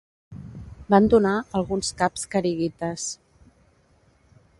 Van donar alguns caps kharigites.